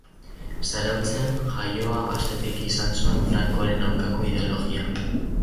Zarautzen jaioa gaztetik izan zuen Francoren aurkako ideologia.